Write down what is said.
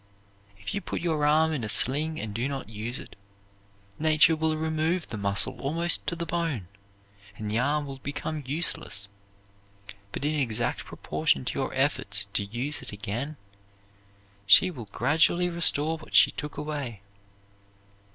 If you put your arm in a sling and do not use it, Nature will remove the muscle almost to the bone, and the arm will become useless, but in exact proportion to your efforts to use it again she will gradually restore what she took away.